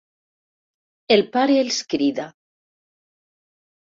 El pare els crida.